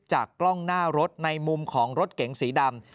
กล้องหน้ารถในมุมของรถเก๋งสีดำ